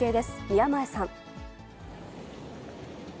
宮前さん。